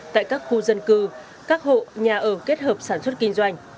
tại các khu dân cư các hộ nhà ở kết hợp sản xuất kinh doanh